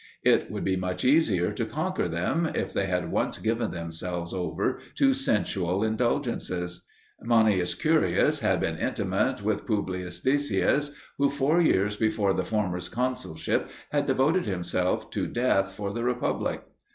It would be much easier to conquer them, if they had once given themselves over to sensual indulgences. Manius Curius had been intimate with P. Decius, who four years before the former's consulship had devoted himself to death for the Republic.